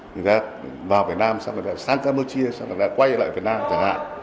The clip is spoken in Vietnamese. người ta vào việt nam sang campuchia xong rồi quay lại việt nam chẳng hạn